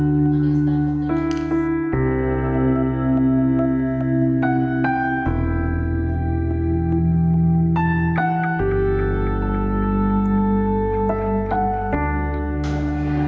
posisinya mulai dari kepala